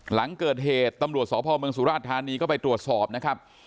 หลังเกิดเหตุตำรวจสพเมืองสุราชธานีก็ไปตรวจสอบนะครับ